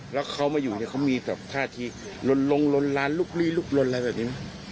แล้วเขามาอยู่เนี่ยเขามีแบบท่าทีลนลงลนลานลุกลีลุกลนอะไรแบบนี้ไหม